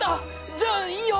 じゃあいいよ。